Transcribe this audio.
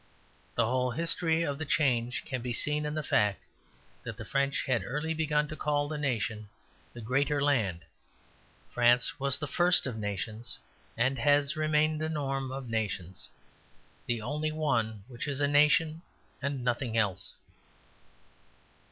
The whole history of the change can be seen in the fact that the French had early begun to call the nation the Greater Land. France was the first of nations and has remained the norm of nations, the only one which is a nation and nothing else.